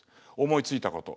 思いついたこと。